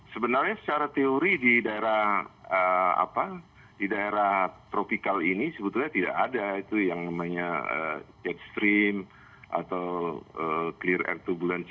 sebenarnya secara teori di daerah apa di daerah tropical ini sebetulnya tidak ada itu yang namanya jet stream atau clear air turbulence